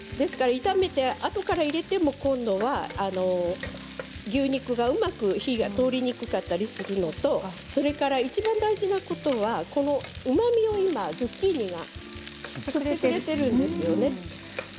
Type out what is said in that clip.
あとから入れても牛肉に火が通りにくかったりするのとそれと、いちばん大事なことはうまみを今ズッキーニが吸ってくれているんですね。